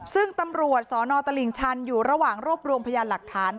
ซึ่งตำรวจสนตลิ่งชันอยู่ระหว่างรวบรวมพยานหลักฐาน